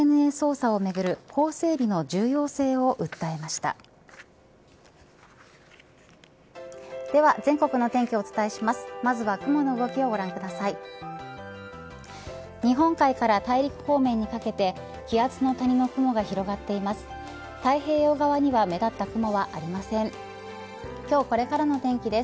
日本海から大陸方面にかけて気圧の谷の雲が広がっています。